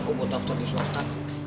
gue buat daftar di swasta